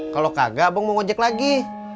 kalau kagak abang mau ngecek lagi